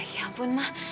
ya ampun ma